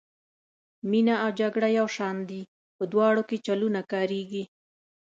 مینه او جګړه یو شان دي په دواړو کې چلونه کاریږي.